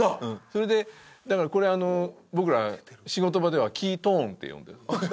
それでだからこれ僕ら仕事場ではキートーンって呼んでるんです。